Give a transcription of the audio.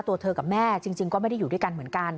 ตัวเธอกับแม่จริงก็ไม่ได้อยู่ด้วยกันเหมือนกัน